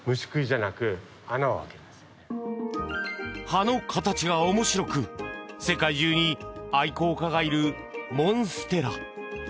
葉の形が面白く世界中に愛好家がいるモンステラ。